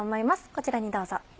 こちらにどうぞ。